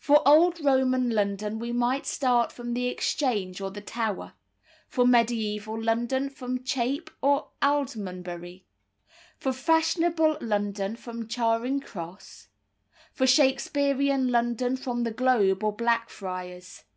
For old Roman London we might start from the Exchange or the Tower; for mediæval London from Chepe or Aldermanbury; for fashionable London from Charing Cross; for Shaksperean London from the Globe or Blackfriars.